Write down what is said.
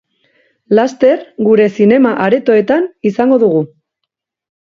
Laster, gure zinema-aretoetan izango dugu.